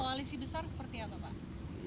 koalisi besar seperti apa pak